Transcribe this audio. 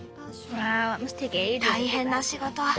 大変な仕事。